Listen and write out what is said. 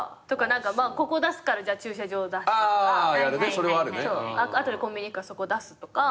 ここ出すから駐車場出すとか後でコンビニ行くからそこ出すとか。